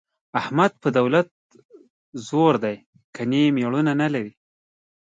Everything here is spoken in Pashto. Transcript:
احمد په دولت زورو دی، ګني مېړونه نه لري.